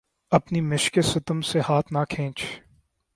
اپنی مشقِ ستم سے ہاتھ نہ کھینچ